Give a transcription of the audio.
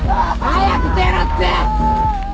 早く出ろって！